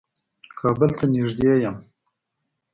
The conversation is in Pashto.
کابل ته نېږدې يم.